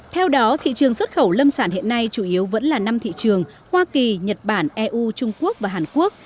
theo đó thị trường xuất khẩu lâm sản hiện nay chủ yếu vẫn là năm thị trường hoa kỳ nhật bản eu trung quốc và hàn quốc